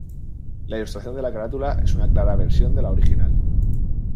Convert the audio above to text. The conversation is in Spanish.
La ilustración de la carátula es una clara versión de la original.